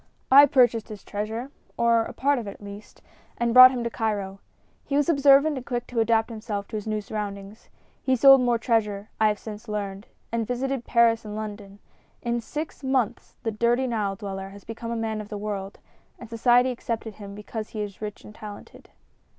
I purchased his treasure or a part of it, at least and brought him to Cairo. He was observant and quick to adapt himself to his new surroundings. He sold more treasure, I have since learned, and visited Paris and London. In six months the dirty Nile dweller has become a man of the world, and society accepted him because he is rich and talented."